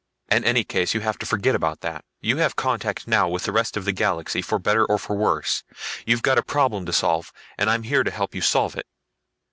In any case, you have to forget about that. You have contact now with the rest of the galaxy, for better or for worse. You've got a problem to solve, and I'm here to help you solve it."